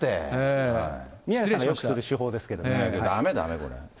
宮根さんがよくする手法ですだめだめ、これ。